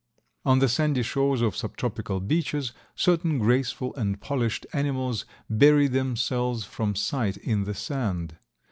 On the sandy shores of subtropical beaches certain graceful and polished animals bury themselves from sight in the sand.